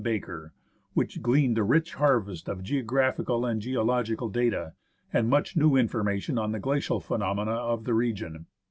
Baker, which gleaned a rich harvest of geographical and geological data, and much new information on the glacial phenomena of the region.